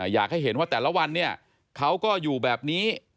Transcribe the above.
อยากให้เห็นว่าแต่ละวันเนี่ยเขาก็อยู่แบบนี้